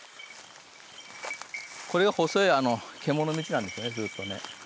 これが細い獣道なんですよねずっとね。